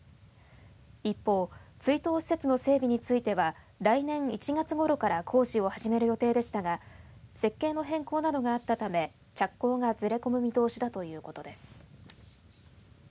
一方、追悼施設の整備については来年１月ごろから工事を始める予定でしたが設計の変更などがあったため着工がずれ込む見通しだということです。